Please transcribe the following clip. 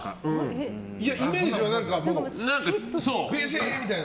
イメージは、ビシーッみたいな。